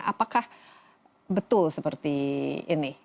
apakah betul seperti ini